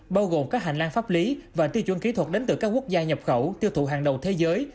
bao gồm các hành lang pháp lý và tiêu chuẩn kỹ thuật đến từ các quốc gia nhập khẩu tiêu thụ hàng đầu thế giới